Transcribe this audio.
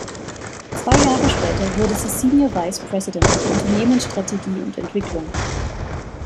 Zwei Jahre später wurde sie "Senior Vice President" für Unternehmensstrategie und -entwicklung.